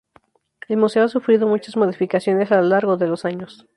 El museo ha sufrido muchas modificaciones a lo largo de los años.